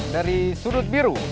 dari sudut biru